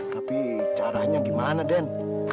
tapi caranya bagaimana den